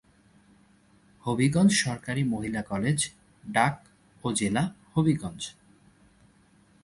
হবিগঞ্জ সরকারি মহিলা কলেজ, ডাক ও জেলা-হবিগঞ্জ।